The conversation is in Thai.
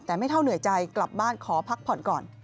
แต่ไม่เท่าเหนื่อยใจกลับบ้านขอพักผ่อนก่อน